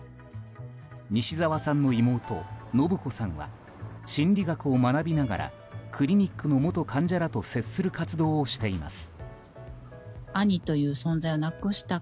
西澤さんの妹・伸子さんは心理学を学びながらクリニックの元患者らと接する活動をしています。